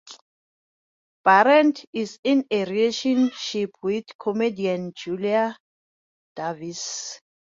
Barratt is in a relationship with comedian Julia Davis.